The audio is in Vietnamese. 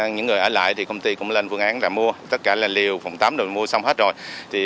những người ở lại thì công ty cũng lên phương án là mua tất cả là liều phòng tắm rồi mua xong hết rồi